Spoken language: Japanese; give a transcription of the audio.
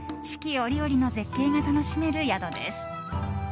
折々の絶景が楽しめる宿です。